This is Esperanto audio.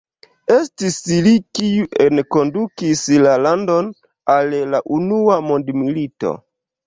Estis li, kiu enkondukis la landon al la Unua mondmilito.